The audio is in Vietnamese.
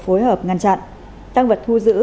phối hợp ngăn chặn tăng vật thu giữ